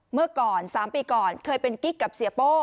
เมื่อก่อน๓ปีก่อนเคยเป็นกิ๊กกับเสียโป้